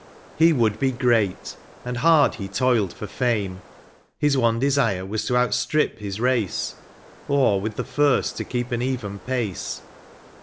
He would be great, and hard he toiled for fame : His one desire was to outstrip his race. Or with the first to keep an even pace.